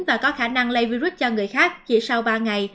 và có khả năng lây virus cho người khác chỉ sau ba ngày